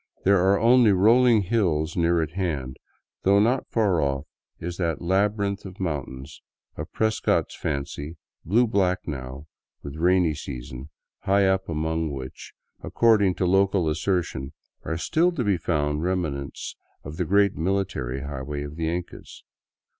There are only rolling hills near at hand, though not far off is that " labyrinth of mountains " of Prescott's fancy, blue black now with the rainy season, high up among which, according to local assertion, are still to be found rem nants of the great military highway of the Incas.